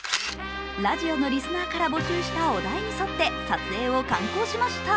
ラジオのリスナーから募集したお題に沿って撮影を敢行しました。